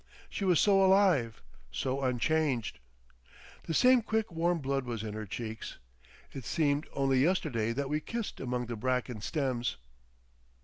She was so alive—so unchanged! The same quick warm blood was in her cheeks. It seemed only yesterday that we had kissed among the bracken stems....